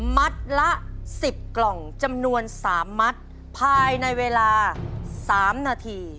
มัดละ๑๐กล่องจำนวน๓มัดภายในเวลา๓นาที